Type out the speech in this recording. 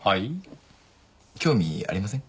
興味ありません？